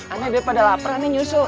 anak dia pada lapar anek nyusul